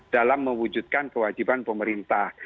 dalam mewujudkan kewajiban pemerintah